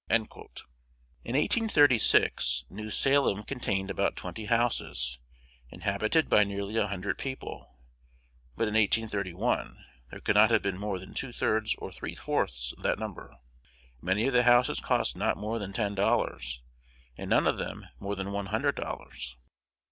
In 1836 New Salem contained about twenty houses, inhabited by nearly a hundred people; but in 1831 there could not have been more than two thirds or three fourths that number. Many of the houses cost not more than ten dollars, and none of them more than one hundred dollars.